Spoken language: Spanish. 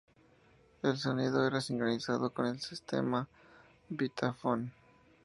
El sonido era sincronizado con el sistema Vitaphone.